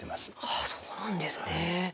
そうなんですね。